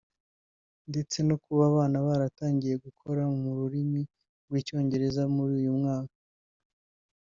ndetse no kuba abana baratangiye gukora mu rurimi rw’icyongereza muri uyu mwaka